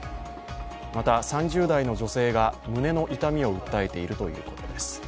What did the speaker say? また、３０代の女性が胸の痛みを訴えているということです。